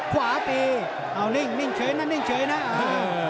ขวาตีเอานิ่งนิ่งเฉยนะนิ่งเฉยนะเออ